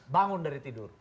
bangun dari tidur